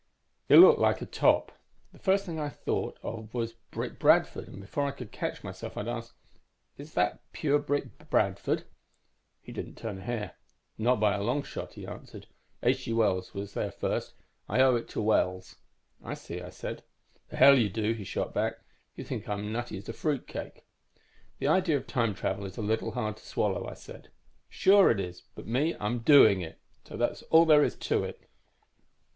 "It looked like a top. The first thing I thought of was Brick Bradford, and before I could catch myself, I'd asked, 'Is that pure Brick Bradford?' "He didn't turn a hair. 'Not by a long shot,' he answered. 'H. G. Wells was there first. I owe it to Wells.' "'I see,' I said. "'The hell you do!' he shot back. 'You think I'm as nutty as a fruit cake.' "'The idea of time travel is a little hard to swallow,' I said. "'Sure it is. But me, I'm doing it. So that's all there is to it.'